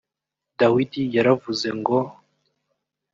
Dawidi yaravuze ngo